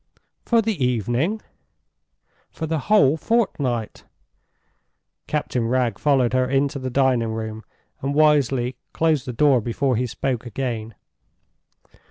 "For the evening?" "For the whole fortnight." Captain Wragge followed her into the dining room, and wisely closed the door before he spoke again.